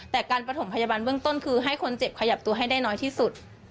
แต่การประถมพยาบาลเบื้องต้นคือให้คนเจ็บขยับตัวให้ได้น้อยที่สุด